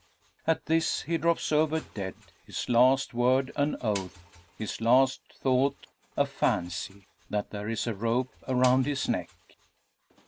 At this he drops over dead, his last word an oath, his last thought a fancy, that there is a rope around his neck!